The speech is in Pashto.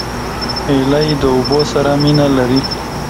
هیلۍ د اوبو سره مینه لري